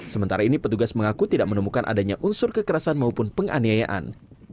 sementara ini petugas mengaku tidak menemukan adanya unsur kekerasan maupun penganiayaan